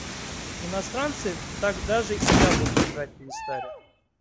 Иностранцы так даже и яблоки жрать перестали.